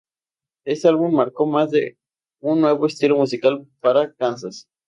Este álbum marcó más un nuevo estilo musical para Kansas.